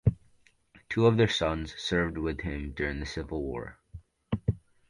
Two of their sons served with him during the Civil War.